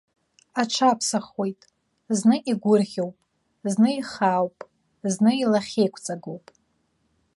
Аҽаԥсахуеит, зны игәырӷьоуп, зны ихаауп, зны илахьеиқәҵагоуп.